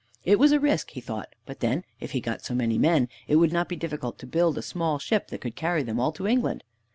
It was a risk, he thought, but then, if he got so many men, it would not be difficult to build a small ship that could carry them all to England.